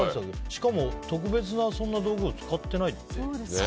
しかも特別な道具を使ってないって。